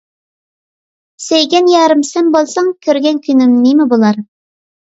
سۆيگەن يارىم سەن بولساڭ، كۆرگەن كۈنۈم نىمە بولار.